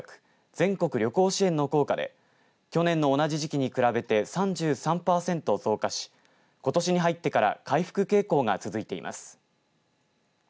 全国旅行支援の効果で去年の同じ時期に比べて３３パーセント増加しことしに入ってから回復傾向が続いています。